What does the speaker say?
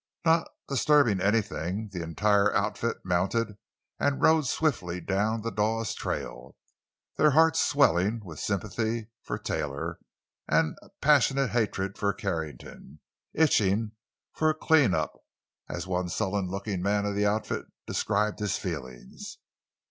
Not disturbing anything, the entire outfit mounted and rode swiftly down the Dawes trail, their hearts swelling with sympathy for Taylor and passionate hatred for Carrington, "itching for a clean up," as one sullen looking member of the outfit described his feelings.